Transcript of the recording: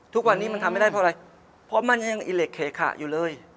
ทุกวันนี้มันทำไม่ได้เพราะอะไรเพราะมันยังอิเล็กเขขะอยู่เลย